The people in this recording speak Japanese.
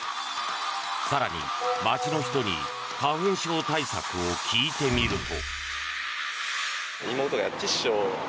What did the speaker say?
更に、街の人に花粉症対策を聞いてみると。